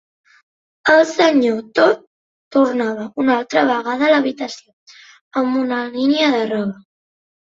El senyor Tod tornava una altra vegada a l'habitació amb una línia de roba.